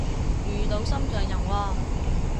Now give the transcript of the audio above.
遇到心上人喎？